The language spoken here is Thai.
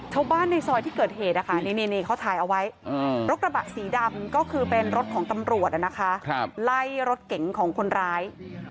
เช่าบ้านในซอยที่เกิดเหตุรถกระบะสีดำเป็นรถของตำรวจไล่รถเก่งของคนร้าย